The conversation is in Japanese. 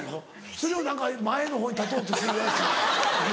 それを何か前のほうに立とうとするらしい。